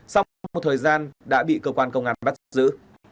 sau hơn một thời gian đã bị cơ quan công an bắt giữ